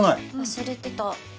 忘れてた。